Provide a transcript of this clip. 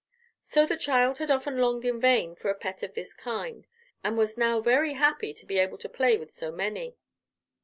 So the child had often longed in vain for a pet of this kind, and was now very happy to be able to play with so many.